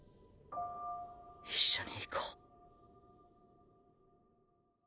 一緒に逝こう。